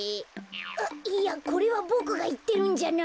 いやこれはボクがいってるんじゃなくて。